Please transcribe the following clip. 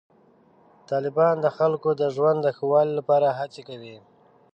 طالبان د خلکو د ژوند د ښه والي لپاره هڅې کوي.